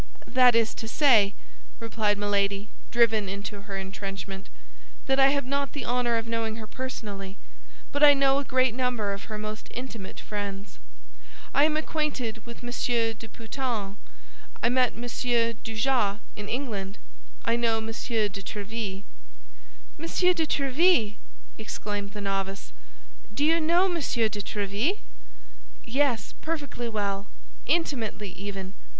"That is to say," replied Milady, driven into her entrenchment, "that I have not the honor of knowing her personally; but I know a great number of her most intimate friends. I am acquainted with Monsieur de Putange; I met Monsieur Dujart in England; I know Monsieur de Tréville." "Monsieur de Tréville!" exclaimed the novice, "do you know Monsieur de Tréville?" "Yes, perfectly well—intimately even."